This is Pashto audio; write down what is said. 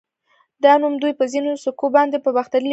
دا نوم دوی په ځینو سکو باندې په باختري ليکدود لیکلی و